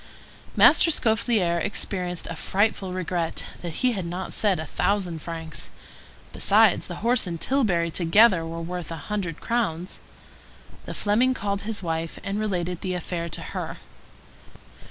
Master Scaufflaire experienced a frightful regret that he had not said a thousand francs. Besides the horse and tilbury together were worth but a hundred crowns. The Fleming called his wife, and related the affair to her.